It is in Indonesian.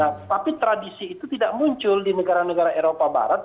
nah tapi tradisi itu tidak muncul di negara negara eropa barat